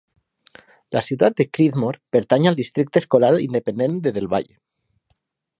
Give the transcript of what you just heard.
La ciutat de Creedmoor pertany al districte escolar independent de Del Valle..